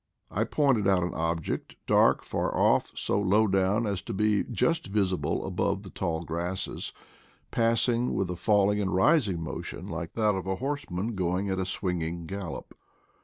I pointed out an object, dark, far off, so low down as to be just visible above the tall grasses, passing with a falling and rising motion like that of a horseman going at a swinging gallop.